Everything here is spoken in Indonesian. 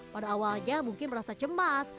pada awalnya mungkin merasa cemas